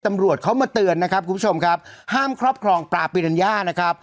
ตำรวจเขามาเตือนนะครับคุณผู้ชมครับห้ามครอบครองปลาปีนัญญานะครับ